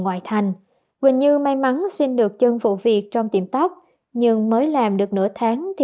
ngoài thành quỳnh như may mắn xin được chân phụ việc trong tiệm tóc nhưng mới làm được nửa tháng